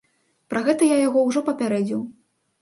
Пра гэта я яго ўжо папярэдзіў.